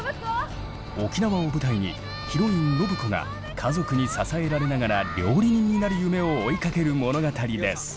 沖縄を舞台にヒロイン暢子が家族に支えられながら料理人になる夢を追いかける物語です。